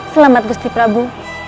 selamat gusti prabu